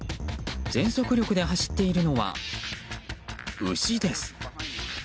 全速力で走っているのは牛です。